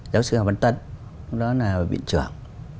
giáo sư hà văn tấn đó là viện trưởng